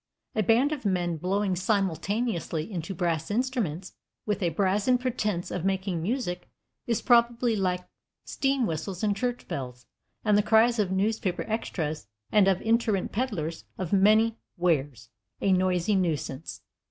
A band of men blowing simultaneously into brass instruments, with a brazen pretence of making music, is probably like steam whistles and church bells and the cries of newspaper extras and of itinerant peddlers of many wares a noisy nuisance.